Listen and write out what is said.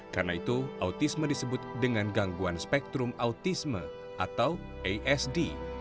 karena itu autisme disebut dengan gangguan spektrum autisme atau asd